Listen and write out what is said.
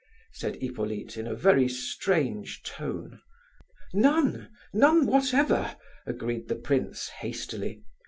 said Hippolyte in a very strange tone. "None—none whatever," agreed the prince hastily.